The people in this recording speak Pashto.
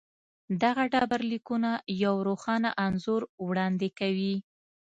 دغه ډبرلیکونه یو روښانه انځور وړاندې کوي.